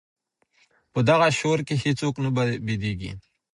په دغه شور کي هیڅوک نه بېدېږي.